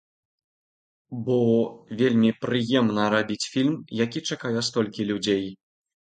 Бо вельмі прыемна рабіць фільм, які чакае столькі людзей.